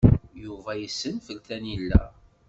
Yuba yessenfel tanila.